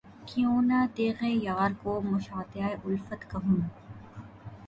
کیوں نہ تیغ یار کو مشاطۂ الفت کہوں